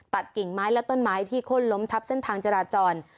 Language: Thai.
กิ่งไม้และต้นไม้ที่ข้นล้มทับเส้นทางจราจร